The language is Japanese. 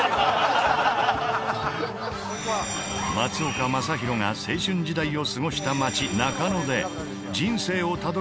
松岡昌宏が青春時代を過ごした街中野で人生をたどる思い出